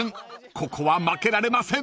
ここは負けられません］